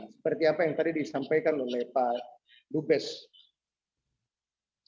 seperti apa yang tadi disampaikan oleh pak dubes semua aturan ya semua aturan ditunduk pada protokol kesehatan